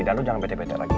dan lo jangan bete bete lagi